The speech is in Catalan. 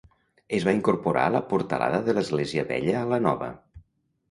Es va incorporar la portalada de l'església vella a la nova.